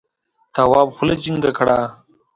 تواب خوله جینگه کړه.